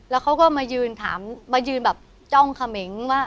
แล้วเขาก็มายืนถามมายืนแบบจ้องเขมงว่า